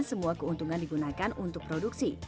semua keuntungan digunakan untuk produksi